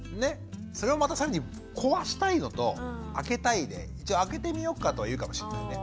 それをまた更に壊したいのと開けたいで一応開けてみよっかとは言うかもしれないね。